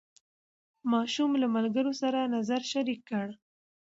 ماشوم له ملګرو سره نظر شریک کړ